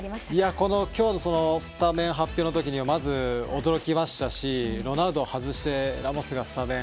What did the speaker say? この今日のスタメン発表のときにまず驚きましたしロナウドを外してラモスがスタメン。